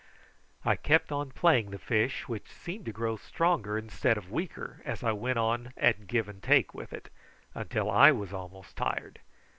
I kept on playing the fish, which seemed to grow stronger instead of weaker as I went on at give and take with it, till I was almost tired.